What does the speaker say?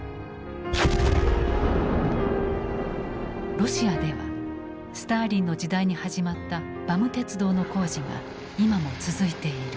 ロシアではスターリンの時代に始まったバム鉄道の工事が今も続いている。